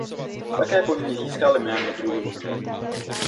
Také po ní získal jméno druh růže.